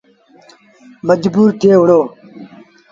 مجبور ٿئي وُهڙيٚ۔